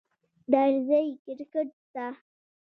درځی کرکټ ته